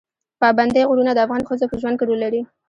پابندی غرونه د افغان ښځو په ژوند کې رول لري.